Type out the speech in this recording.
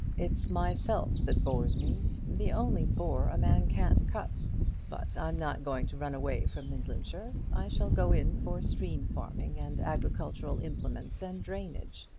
"It's myself that bores me; the only bore a man can't cut. But I'm not going to run away from Midlandshire. I shall go in for steam farming, and agricultural implements, and drainage.